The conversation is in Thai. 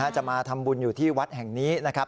จะมาทำบุญอยู่ที่วัดแห่งนี้นะครับ